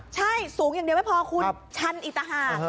ใช่สูงอย่างเดียวไม่พอคุณชั้นอิตหา